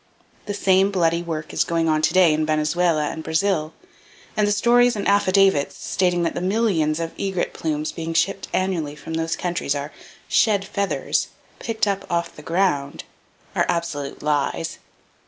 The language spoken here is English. The same bloody work is going on to day in Venezuela and Brazil; and the stories and "affidavits" stating that the millions of egret plumes being shipped annually from those countries are "shed feathers," "picked up off the ground," are absolute lies.